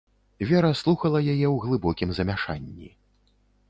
Вера слухала яе ў глыбокім замяшанні.